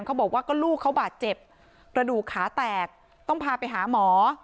เขาบอกว่าก็ลูกเขาบาดเจ็บกระดูกขาแตกต้องพาไปหาหมอ